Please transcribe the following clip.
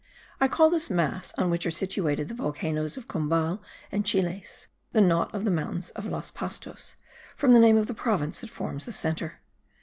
I call this mass, on which are situated the volcanoes of Cumbal and Chiles, the knot of the mountains of Los Pastos, from the name of the province that forms the centre.